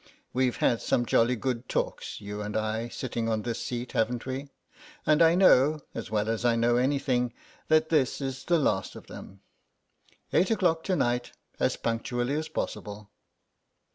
We've had some jolly good talks, you and I, sitting on this seat, haven't we? And I know, as well as I know anything, that this is the last of them. Eight o'clock to night, as punctually as possible."